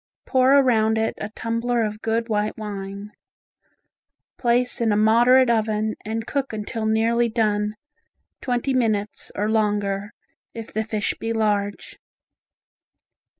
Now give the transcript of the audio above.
Pour around it a tumbler of good white wine. Place in a moderate oven and cook until nearly done, twenty minutes or longer, if the fish be large.